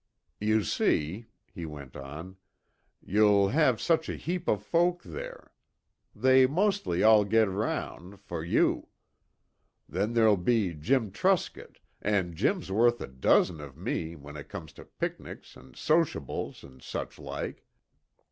"You see," he went on, "you'll have such a heap of folk there. They mostly all get around for you. Then there'll be Jim Truscott, and Jim's worth a dozen of me when it comes to picnics and 'sociables' and such like."